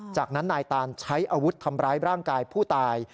จากนั้นนายตานใช้อาวุธทำร้ายร่างกายผู้ตาย